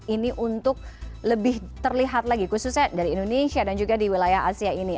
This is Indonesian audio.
ini untuk lebih terlihat lagi khususnya dari indonesia dan juga di wilayah asia ini